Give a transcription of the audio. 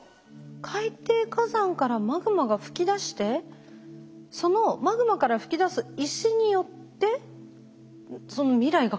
海底火山からマグマが噴き出してそのマグマから噴き出す石によってその未来が変わる？